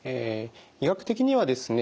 医学的にはですね